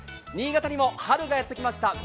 新潟にも春がやってきました。